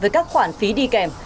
có khoản phí đi kèm